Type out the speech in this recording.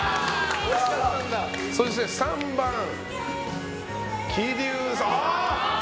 そして３番、桐生さん。